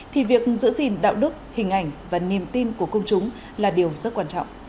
thì việc giữ gìn đạo đức hình ảnh và niềm tin của công chúng là điều rất quan trọng